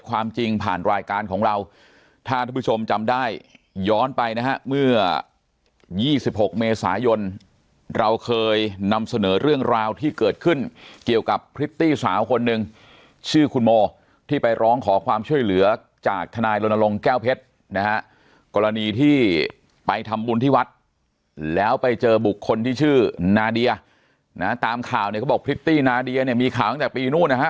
ความจริงผ่านรายการของเราถ้าท่านผู้ชมจำได้ย้อนไปนะฮะเมื่อ๒๖เมษายนเราเคยนำเสนอเรื่องราวที่เกิดขึ้นเกี่ยวกับพริตตี้สาวคนหนึ่งชื่อคุณโมที่ไปร้องขอความช่วยเหลือจากทนายรณรงค์แก้วเพชรนะฮะกรณีที่ไปทำบุญที่วัดแล้วไปเจอบุคคลที่ชื่อนาเดียนะตามข่าวเนี่ยเขาบอกพริตตี้นาเดียเนี่ยมีข่าวตั้งแต่ปีนู้นนะฮะ